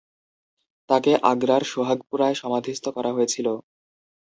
তাকে আগ্রার সুহাগপুরায় সমাধিস্থ করা হয়েছিল।